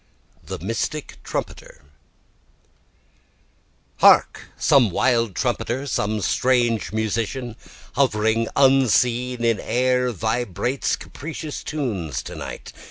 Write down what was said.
The Mystic Trumpeter 1 Hark, some wild trumpeter, some strange musician, Hovering unseen in air, vibrates capricious tunes to night.